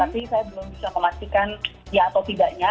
tapi saya belum bisa memastikan ya atau tidaknya